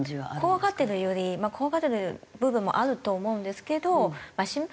怖がってるより怖がってる部分もあると思うんですけど心配してる。